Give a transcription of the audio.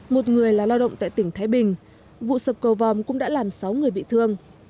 một người là lao động tại tỉnh thái bình vụ sập cầu vòm cũng đã làm sáu người bị thương